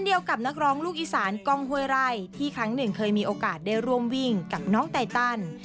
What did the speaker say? เดียวกับนักร้องลูกอีสานกล้องห้วยไร่ที่ครั้งหนึ่งเคยมีโอกาสได้ร่วมวิ่งกับน้องไตตัน